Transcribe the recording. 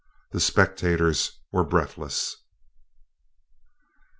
The spectators were breathless."